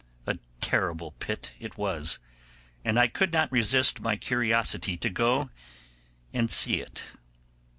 A terrible pit it was, and I could not resist my curiosity to go and see it.